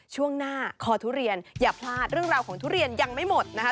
ช่วงหน้าคอทุเรียนอย่าพลาดเรื่องราวของทุเรียนยังไม่หมดนะคะ